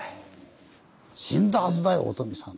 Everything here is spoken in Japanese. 「死んだ筈だよお富さん」。